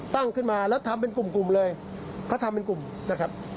ตั้งขึ้นมาแล้วทำเป็นกลุ่มกลุ่มเลยเขาทำเป็นกลุ่มนะครับ